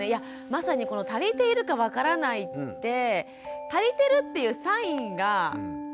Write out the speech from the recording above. まさにこの足りているか分からないって「足りてる」っていうサインがないじゃないですか。